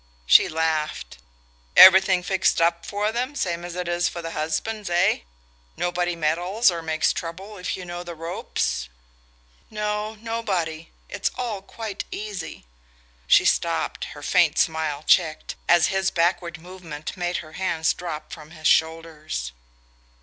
She laughed. "Everything fixed up for them, same as it is for the husbands, eh? Nobody meddles or makes trouble if you know the ropes?" "No, nobody ... it's all quite easy...." She stopped, her faint smile checked, as his backward movement made her hands drop from his shoulders.